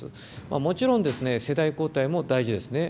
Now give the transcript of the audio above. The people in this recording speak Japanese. もちろん世代交代も大事ですね。